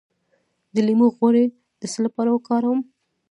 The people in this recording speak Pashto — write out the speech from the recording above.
د لیمو غوړي د څه لپاره وکاروم؟